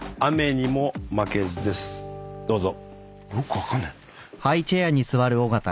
どうぞ。